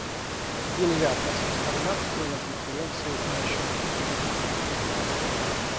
Нельзя относить стагнацию на Конференции и на счет процедурных проблем.